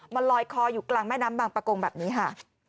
มันลอยคออยู่กลางแม่น้ำบางประกงแบบนี้ค่ะ